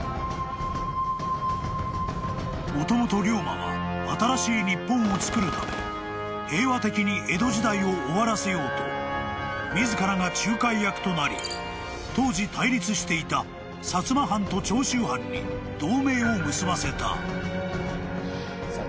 ［もともと龍馬は新しい日本をつくるため平和的に江戸時代を終わらせようと自らが仲介役となり当時対立していた薩摩藩と長州藩に同盟を結ばせた］